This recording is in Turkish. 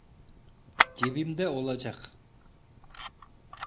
Cebimde olacak!